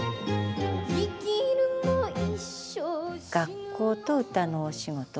学校と歌のお仕事。